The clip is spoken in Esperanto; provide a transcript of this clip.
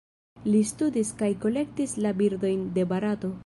Li studis kaj kolektis la birdojn de Barato.